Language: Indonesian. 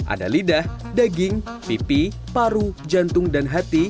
ada lidah daging pipi paru jantung dan hati